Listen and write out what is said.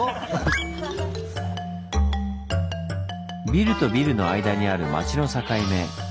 ビルとビルの間にある町の境目。